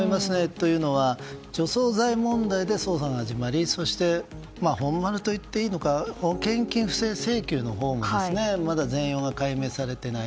というのは、除草剤問題で捜査が始まりそして本丸と言っていいのか保険金不正請求のほうもまだ全容が解明されていない。